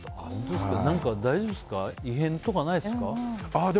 大丈夫ですか異変とかないですか。